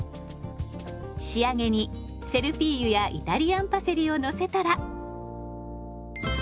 仕上げにセルフィーユやイタリアンパセリをのせたら。